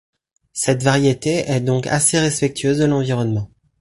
Cette variété est donc assez respectueuse de l'environnement.